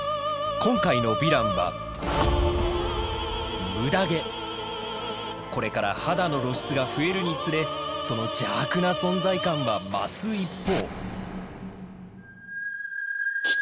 今回の「ヴィラン」はこれから肌の露出が増えるにつれその邪悪な存在感は増す一方！